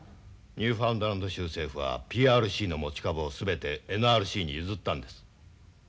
ニューファンドランド州政府はＰＲＣの持ち株を全てＮＲＣに譲ったんです。